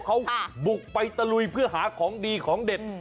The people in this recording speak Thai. เขาบุกไปตะลุยเพื่อหาของดีของเด็ด